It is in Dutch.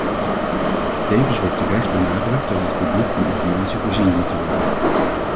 Tevens wordt terecht benadrukt dat het publiek van informatie voorzien dient te worden.